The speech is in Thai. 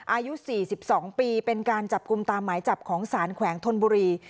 อายุ๔๒ปีเป็นการจับกลุ่มตามหมายจับของสารแขวงธนบุรี